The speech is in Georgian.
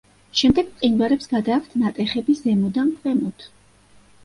შემდეგ მყინვარებს გადააქვთ ნატეხები ზემოდან ქვემოთ.